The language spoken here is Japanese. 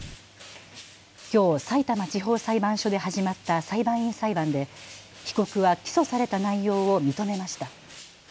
きょう、さいたま地方裁判所で始まった裁判員裁判で被告は起訴された内容を認めました。